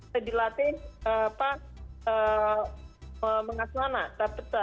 sudah dilatih mengasuh anak